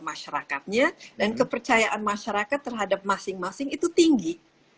masyarakatnya dan kepercayaan masyarakat terhadap masing masing itu tinggi